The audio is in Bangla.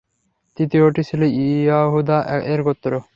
তৃতীয়টি ছিল ইয়াহুদা-এর গোত্র।